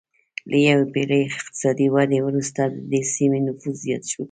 له یوې پېړۍ اقتصادي ودې وروسته د دې سیمې نفوس زیات شو